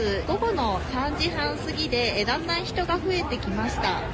午後の３時半過ぎで、だんだん人が増えてきました。